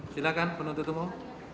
silahkan penuntut umum